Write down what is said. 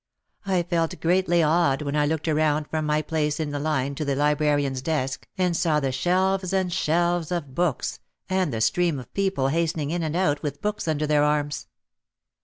I felt greatly awed when I looked around from my place in the line to the librarians' desk and saw the shelves and shelves of books and the stream of people hastening in and out with books under their arms.